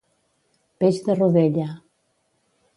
Peix de rodella.